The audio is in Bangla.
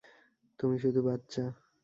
তুমি শুধু বাচ্চা।